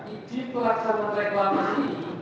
isi pelaksanaan reklama ini